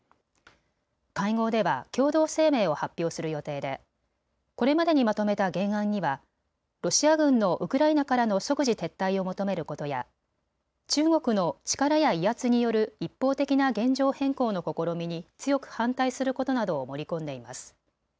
会合では共同声明を発表する予定でこれまでにまとめた原案にはロシア軍のウクライナからの即時撤退を求めることや中国の力や威圧による一方的な現状変更の試みに強く反対することなどを盛り込んでいます。